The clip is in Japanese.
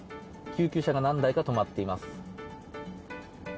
救急車が何台か止まっています。